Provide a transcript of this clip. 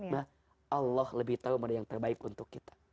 nah allah lebih tahu mana yang terbaik untuk kita